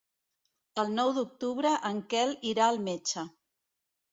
El nou d'octubre en Quel irà al metge.